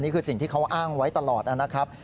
เขาอ้างไว้ตลอดนะครับ